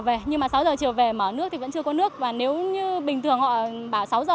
về nhưng mà sáu giờ chiều về mở nước thì vẫn chưa có nước và nếu như bình thường họ bảo sáu giờ